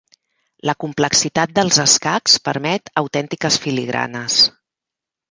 La complexitat dels escacs permet autèntiques filigranes.